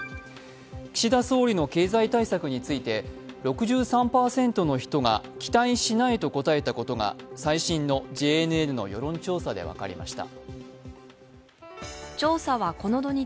岸田総理の経済対策について６３％の人が期待しないと答えたことが最新のＪＮＮの世論調査で分かりました。